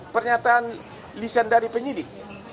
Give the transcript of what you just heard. pernyataan lisan dari penyidik